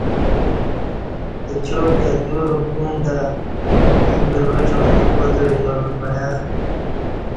اچا دی اتیوروک گوم تہ ایں بروڄاں ستہ پاتع یال وعیاں۔